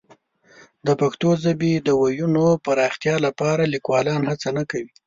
د پښتو ژبې د وییونو پراختیا لپاره لیکوالان هڅه نه کوي.